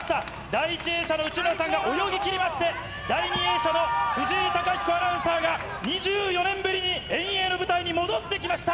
第１泳者の内村さんが泳ぎ切りまして、第２泳者の藤井貴彦アナウンサーが、２４年ぶりに遠泳の舞台に戻ってきました。